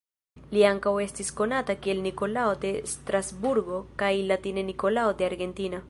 Li ankaŭ estis konata kiel Nikolao de Strasburgo kaj latine Nikolao de Argentina.